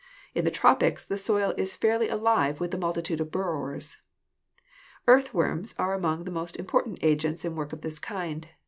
In the tropics the soil is fairly alive with the multitude of burrowers. Earthworms are among the most important agents in work of this kind.